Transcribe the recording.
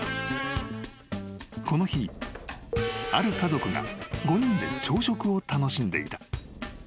［この日ある家族が５人で朝食を楽しんでいた］